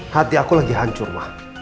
hati aku lagi hancur mah